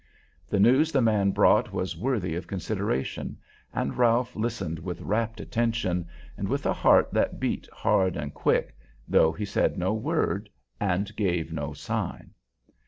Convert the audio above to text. The news the man brought was worthy of consideration, and Ralph listened with rapt attention and with a heart that beat hard and quick, though he said no word and gave no sign.